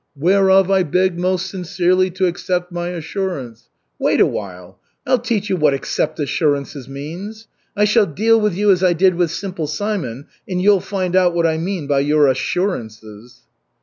'Whereof I beg most sincerely to accept my assurance!' Wait a while! I'll teach you what 'accept assurances' means! I shall deal with you as I did with Simple Simon, and you'll find out what I mean by your 'assurances'!"